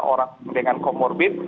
orang dengan comorbid